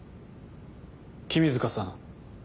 君塚さん。